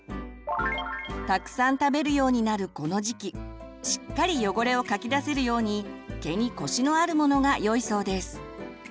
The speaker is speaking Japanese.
たくさん食べるようになるこの時期しっかり汚れをかき出せるように毛にコシのあるものがよいそうです。